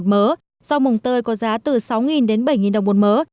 rau mồng tơi có giá từ sáu đồng đến bảy đồng một mớ